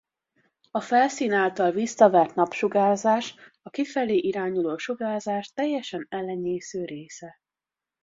A felszín által visszavert napsugárzás a kifelé irányuló sugárzás teljesen elenyésző része.